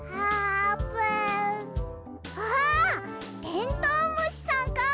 テントウムシさんか！